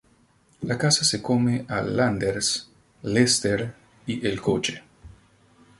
La casa se come a Landers, Lester, y el coche.